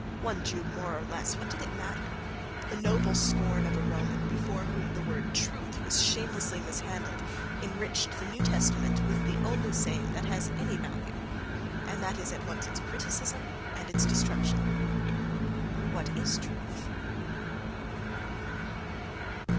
One Jew more or less—what did it matter?... The noble scorn of a Roman, before whom the word "truth" was shamelessly mishandled, enriched the New Testament with the only saying that has any value—and that is at once its criticism and its destruction: "What is truth?..."